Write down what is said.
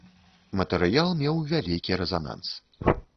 Матэрыял меў вялікі рэзананс.